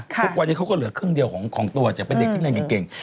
ทุกวันนี้เขาก็เหลือครึ่งเดียวของตัวจะเป็นเด็กที่เรียนเก่ง